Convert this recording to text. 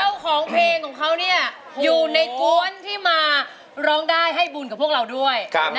เจ้าของเพลงของเขาอยู่ในกวนที่มาร้องได้ให้บุญกับพวกเราด้วย